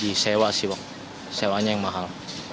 di sewa sih bang sewanya yang mahal